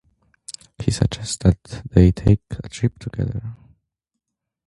He suggests that they take a trip together.